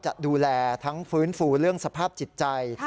จะดูแลทั้งฟื้นฟูเรื่องสภาพจิตใจ